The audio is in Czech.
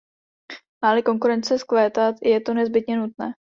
Má-li konkurence vzkvétat, je to nezbytně nutné.